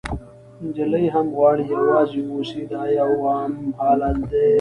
نجلۍ هم غواړي یوازې واوسي، دا یو عام حالت دی.